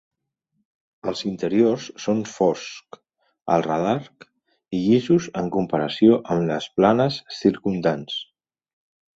Els interiors són foscs al radar i llisos en comparació amb les planes circumdants.